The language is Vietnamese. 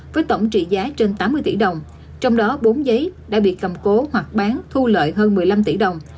với tổng trị giá trên tám mươi tỷ đồng trong đó bốn giấy đã bị cầm cố hoặc bán thu lợi hơn một mươi năm tỷ đồng